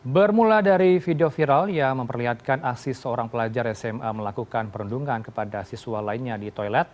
bermula dari video viral yang memperlihatkan asis seorang pelajar sma melakukan perundungan kepada siswa lainnya di toilet